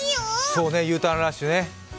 そうね、Ｕターンラッシュね。